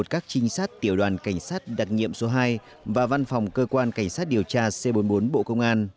các trinh sát tiểu đoàn cảnh sát đặc nhiệm số hai và văn phòng cơ quan cảnh sát điều tra c bốn mươi bốn bộ công an